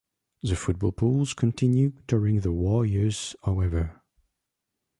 The football pools continued during the war years however.